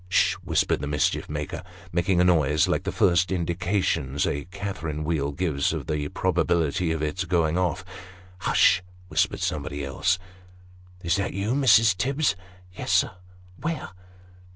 "S s s!" whispered the mischief maker, making a noise like the first indication a Catherine wheel gives of the probability of it& going off. " Hush !" whispered somebody else. " Is that you, Mrs. Tibbs ?"" Yes, sir." " Where